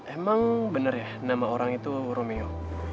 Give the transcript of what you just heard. emang bener ya nama orang itu romeo